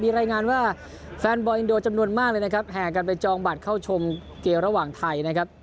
รายงานว่าแฟนบอลอินโดจำนวนมากเลยนะครับแห่กันไปจองบัตรเข้าชมเกมระหว่างไทยนะครับ